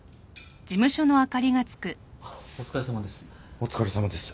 ・お疲れさまです。